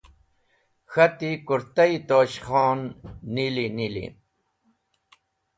K̃hati: Kũrta-e Tosh Khon nili nili